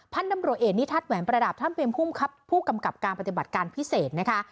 ท่านตำรวจเอกนิทัศน์แหวนประดับท่านเป็นผู้กำกับการปฏิบัติการพิเศษนะคะ